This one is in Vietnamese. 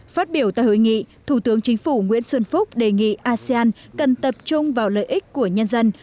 phát biểu tại hội nghị thủ tướng chính phủ nguyễn xuân phúc đề nghị asean cần tập trung vào lợi ích của nhân dân